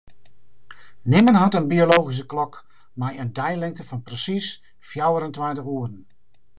Nimmen hat in biologyske klok mei in deilingte fan persiis fjouwerentweintich oeren.